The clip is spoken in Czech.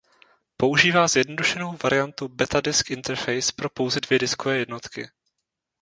Používá zjednodušenou variantu Beta Disk Interface pro pouze dvě disketové jednotky.